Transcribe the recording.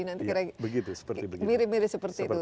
nanti kira kira mirip mirip seperti itu